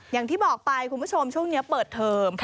อย่างที่บอกไปคุณผู้ชมช่วงนี้เปิดเทอม